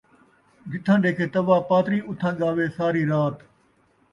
جتھاں ݙیکھے توا پاتری اُتھاں ڳاوے ساری رات